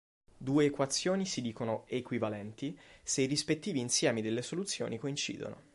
Due equazioni si dicono "equivalenti" se i rispettivi insiemi delle soluzioni coincidono.